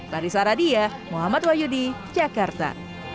dari saradiah muhammad wayudi jakarta